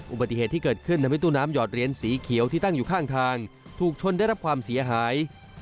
อุบัติเหตุที่เกิดขึ้นทำให้ตู้น้ำหอดเหรียญสีเขียวที่ตั้งอยู่ข้างทางถูกชนได้รับความเสียหาย